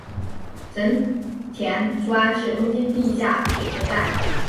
神田川是东京地下铁车站。